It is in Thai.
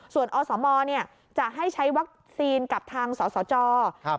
ส่วนอสมเนี่ยจะให้ใช้วัคซีนกับทางสสจ